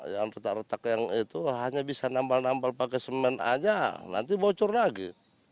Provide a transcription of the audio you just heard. yang retak retak yang itu hanya bisa nambal nambal pakai semen aja nanti bocor lagi